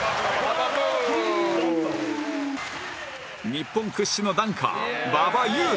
日本屈指のダンカー馬場雄大